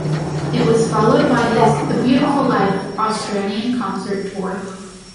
It was followed by his "The Beautiful Life" Australian concert tour.